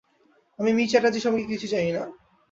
আমি মি চ্যাটার্জি সম্পর্কে কিছুই জানি না।